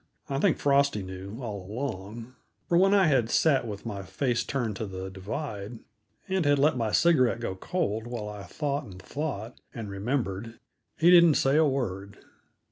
I think Frosty knew, all along; for when I had sat with my face turned to the divide, and had let my cigarette go cold while I thought and thought, and remembered, he didn't say a word.